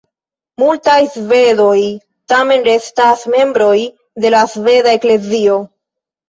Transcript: Multaj svedoj tamen restas membroj de la sveda Eklezio.